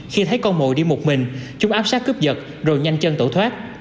khi thấy con mồi đi một mình chúng áp sát cướp giật rồi nhanh chân tẩu thoát